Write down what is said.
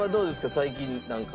最近なんか。